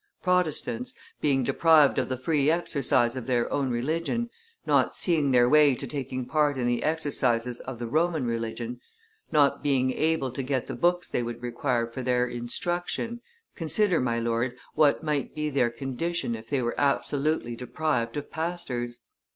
Protestants, being deprived of the free exercise of their own religion, not seeing their way to taking part in the exercises of the Roman religion, not being able to get the books they would require for their instruction, consider, my lord, what might be their condition if they were absolutely deprived of pastors.